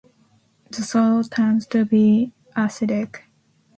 The soil tends to be acidic.